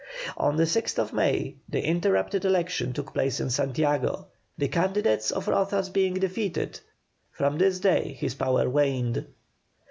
On the 6th May the interrupted election took place in Santiago. The candidates of Rozas being defeated from this day his power waned.